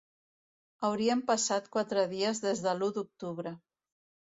Haurien passat quatre dies des de l’u d’octubre.